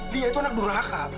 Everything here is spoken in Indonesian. lia itu anak durhaka